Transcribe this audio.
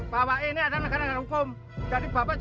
itu fitnah pak itu fitnah pak